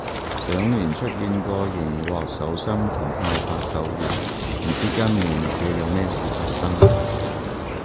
上年出現過熒惑守心同太白守月，唔知今年會有咩事發生